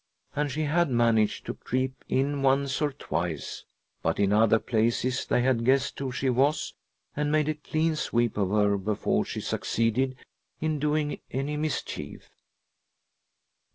And she had managed to creep in once or twice, but in other places they had guessed who she was and made a clean sweep of her before she succeeded in doing any mischief.